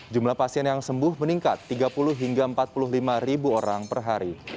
jumlah pasien yang sembuh meningkat tiga puluh hingga empat puluh lima ribu orang per hari